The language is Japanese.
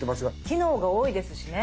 機能が多いですしね。